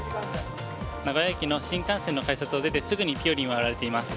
名古屋駅の新幹線の改札を出てすぐにぴよりんが売られています。